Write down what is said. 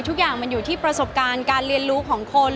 ทุกอย่างมันอยู่ที่ประสบการณ์การเรียนรู้ของคน